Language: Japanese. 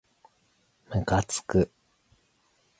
むかつく